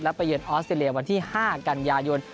ไปเยือนออสเตรเลียวันที่๕กันยายน